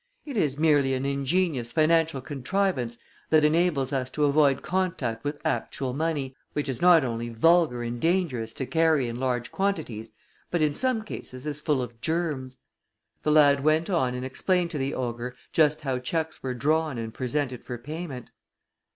It is merely an ingenious financial contrivance that enables us to avoid contact with actual money, which is not only vulgar and dangerous to carry in large quantities, but in some cases is full of germs." The lad went on and explained to the ogre just how checks were drawn and presented for payment.